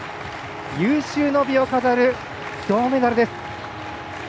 有終の美を飾る銅メダルです。